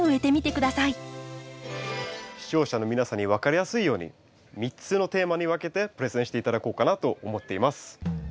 視聴者の皆さんに分かりやすいように３つのテーマに分けてプレゼンして頂こうかなと思っています。